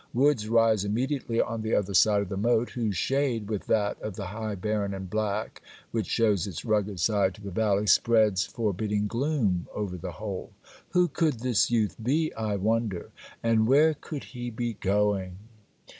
Woods rise immediately on the other side of the moat, whose shade, with that of the high barren and black, which shows its rugged side to the valley, spreads forbidding gloom over the whole. Who could this youth be, I wonder; and where could he be going?